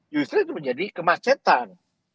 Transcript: justru itu menjadi kemacetan